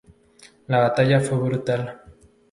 La batalla fue brutal.